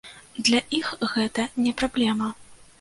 Для іх гэта не праблема.